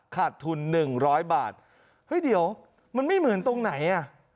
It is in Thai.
ขาดทุน๑๐๐บาทเฮ้ยเดี๋ยวมันไม่เหมือนตรงไหนอ่ะ